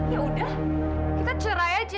yaudah kita cerai aja